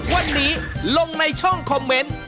วันนี้ลงในช่องคอมเมนต์